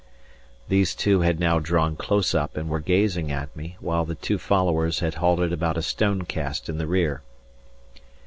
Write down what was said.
These two had now drawn close up and were gazing at me, while the two followers had halted about a stone cast in the rear.